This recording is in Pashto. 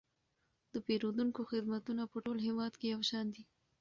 د پیرودونکو خدمتونه په ټول هیواد کې یو شان دي.